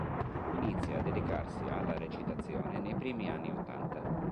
Inizia a dedicarsi alla recitazione nei primi anni ottanta.